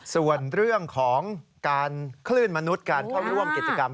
ส่วนเรื่องของการคลื่นมนุษย์การเข้าร่วมกิจกรรม